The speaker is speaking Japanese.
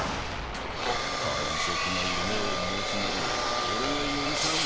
「海賊が夢を持つなど俺が許さん」